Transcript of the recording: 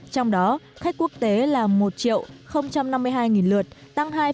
trong đó khách quốc tế là một triệu năm mươi hai lượt tăng hai chín mươi ba